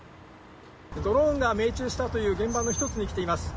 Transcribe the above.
ドローンが命中したという現場の１つに来ています。